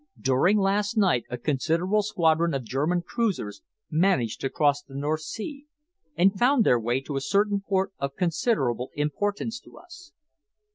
During last night, a considerable squadron of German cruisers managed to cross the North Sea and found their way to a certain port of considerable importance to us."